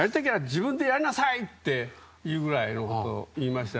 自分でやりなさいっていうぐらいのことを言いました。